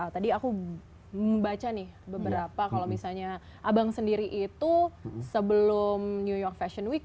tadi aku membaca nih beberapa kalau misalnya abang sendiri itu sebelum new york fashion week